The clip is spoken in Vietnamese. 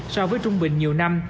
so với trung bình nhiều năm